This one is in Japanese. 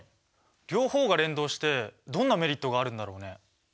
両方が連動してどんなメリットがあるんだろうね。